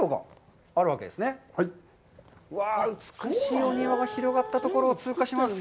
うわあ、美しいお庭が広がったところを通過します。